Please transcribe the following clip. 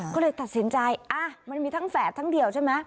ก็เลยตัดสินใจมันมีทั้งแฝดทั้งเดียวใช่ไหม